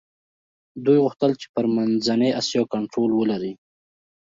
دوی غوښتل چي پر منځنۍ اسیا کنټرول ولري.